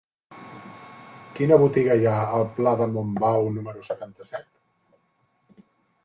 Quina botiga hi ha al pla de Montbau número setanta-set?